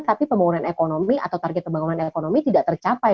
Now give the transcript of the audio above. tapi pembangunan ekonomi atau target pembangunan ekonomi tidak tercapai